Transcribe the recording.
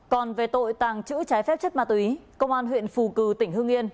còn về tội tàng trữ trái phép chất ma túy công an huyện phù cử tỉnh hưng yên